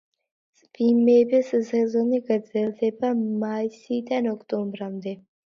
წვიმების სეზონი გრძელდება მაისიდან ოქტომბრამდე.